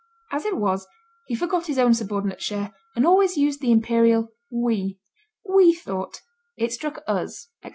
As it was, he forgot his own subordinate share, and always used the imperial 'we', 'we thought', 'it struck us,' &c.